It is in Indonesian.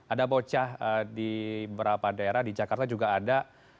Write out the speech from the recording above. ada bocah di beberapa daerah di jakarta juga ada